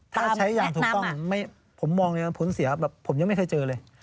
ถ้าใช้อย่างถูกต้องผมมองเลยว่าผลเสียแบบผมยังไม่เคยเจอเลย